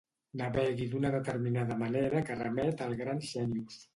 Navegui d'una determinada manera que remet al gran Xènius.